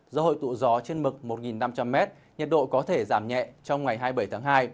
do hội tụ gió trên mực một năm trăm linh m nhiệt độ có thể giảm nhẹ trong ngày hai mươi bảy tháng hai